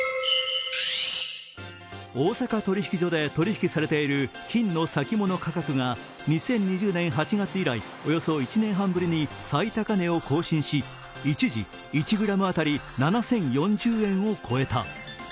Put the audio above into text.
大阪取引所で取引きされている金の先物価格が２０２０年８月以来、およそ１年半ぶりに最高値を更新し一時、１ｇ当たり７０４０円を超えた。